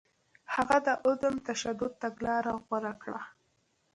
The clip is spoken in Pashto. هغه د عدم تشدد تګلاره غوره کړه.